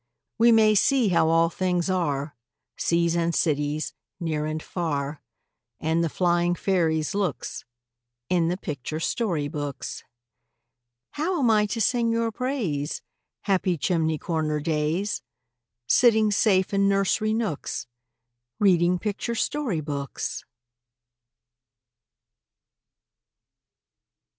We may see how all things are, Seas and cities, near and far, And the flying fairies' looks, In the picture story books. How am I to sing your praise, Happy chimney corner days, Sitting safe in nursery nooks, Reading picture story books?